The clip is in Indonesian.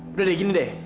udah deh gini deh